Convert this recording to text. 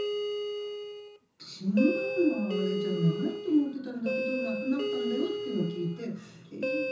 死ぬようなあれじゃないと思ってたんだけど、亡くなったんだよっていうの聞いて、え？